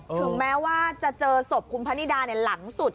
ถึงแม้ว่าจะเจอศพคุณพนิดาหลังสุด